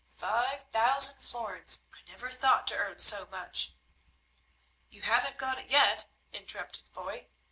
Five thousand florins! I never thought to earn so much." "You haven't got it yet," interrupted Foy.